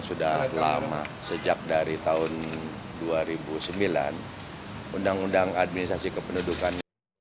sudah lama sejak dari tahun dua ribu sembilan undang undang administrasi kependudukan